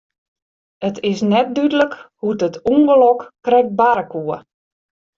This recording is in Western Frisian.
It is net dúdlik hoe't it ûngelok krekt barre koe.